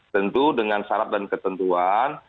tentu dengan syarat dan ketentuan